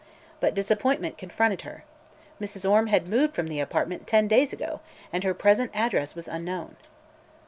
But disappointment confronted her. Mrs. Orme had moved from the apartment ten days ago and her present address was unknown.